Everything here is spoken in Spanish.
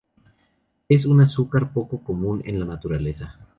Es un azúcar poco común en la naturaleza.